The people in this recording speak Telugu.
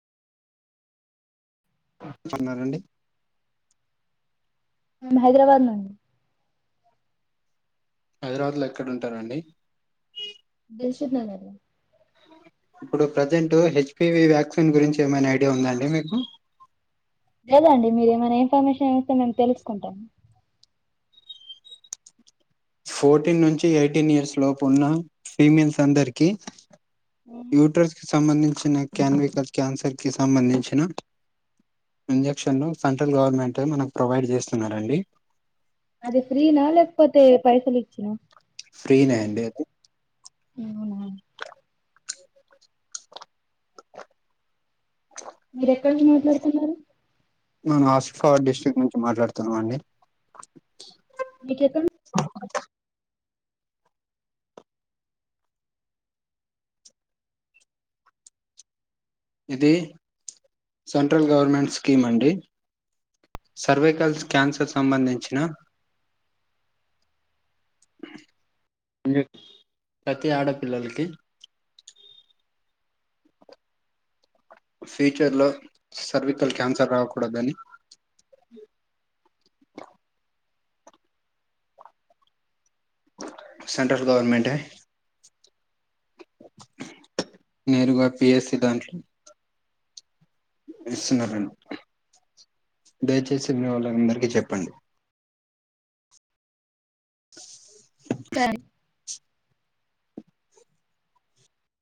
కొన్నారండి హైద్రాబాద్ నుండి హైద్రాబాద్ లో ఎక్కడ ఉంటారండి, దిల్‍సుఖ్‍నగర్ రా ఇప్పుడు ప్రజెంట్ హెచ్పివి వ్యాక్సిన్ గురించి ఏమైనా ఐడియా ఉందా అండి మీకు లేదండి మీరు ఏమైన ఇన్ఫర్మేషన్ న్ ఇస్తే తెలుసుకుంటామ్ ఫోర్టీన్ నుంచి ఎయిటీన్ ఇయర్స్ లోపు ఉన్న ఫీమెల్స్ అందరికిీ యూటర్స్ కి సంబంధి చ్చిన క్యాన్వికల్ క్యాన్సర్ కి సంబంధించిన ఇంజెక్షన్లు సెంట్రల్ గవర్నమెంట్ మనక్ ప్రొవైడ్ చేస్తున్నారండి అది ఫ్రీనా లేక్ పోతే పైసల్ లిచ్చినా ఫ్రీనే అండి ఎకు అవునా మీరు ఎక్కడి నుంచి మాట్లాడుతున్నారు మనం ఆసిఫాబాద్ డిస్ట్రిక్ట్ నుంచి మాట్లాడుతున్ చనవండి మీకెక్కడ ను ఇది సెంట్రల్ గవర్నమెంట్ స్కీమ్ అండి. సర్వైకల్ క్యాన్సర్ సంబంధించిన, ఇంజక్ ప్రతి ఆడపిల్లలకి. ఫ్యూచర్ లో సర్వికల్ క్యాన్సర్ రాకూడదని. సెంట్రల్ గవర్నమెంటే నేరుగా పి ఎస్ సి దాంట్లో ఇస్తున్నారండి. దయచేసి మీ వాళ్ళ అందరికి చెప్పండి. అండ్